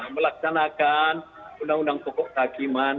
melaksanakan undang undang pokok kehakiman